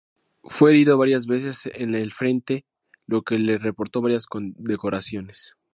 Fue herido varias veces en el frente lo que le reportó varias condecoraciones.